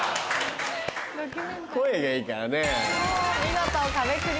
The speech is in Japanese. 声がいいからね。